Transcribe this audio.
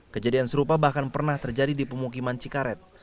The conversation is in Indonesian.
kejadian serupa bahkan pernah terjadi di pemukiman cikaret